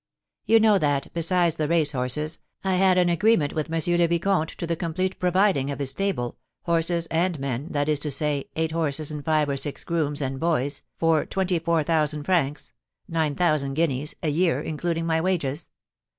"You know that, besides the race horses, I had an agreement with M. le Vicomte to the complete providing of his stable, horses, and men, that is to say, eight horses and five or six grooms and boys, for twenty four thousand francs (nine thousand guineas) a year, including my wages."